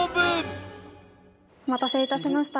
お待たせ致しました。